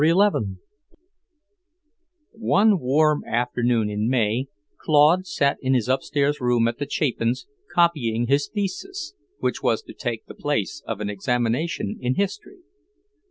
XI One warm afternoon in May Claude sat in his upstairs room at the Chapins', copying his thesis, which was to take the place of an examination in history.